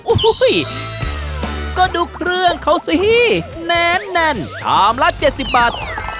อุ้ยก็ดูเครื่องเขาสิแน่นแน่นชามละเจ็ดสิบบาท